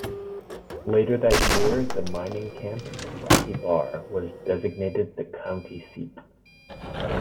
Later that year the mining camp of Rocky Bar was designated the county seat.